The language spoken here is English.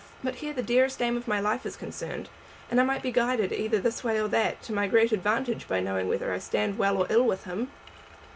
But here the dearest aim of my life is concerned, and I might be guided either this way or that, to my great advantage, by knowing whether I stand well or ill with him."